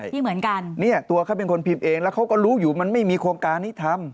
ที่เหมือนกันเนี่ยตัวเขาเป็นคนพิมพ์เองแล้วเขาก็รู้อยู่มันไม่มีโครงการนี้ทำ